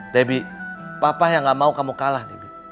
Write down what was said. debi papa yang gak mau kamu kalah